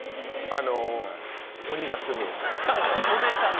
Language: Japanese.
あの鬼が住む。